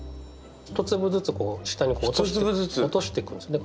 １粒ずつ下に落としていくんですね。